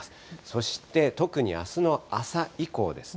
そして特にあすの朝以降ですね。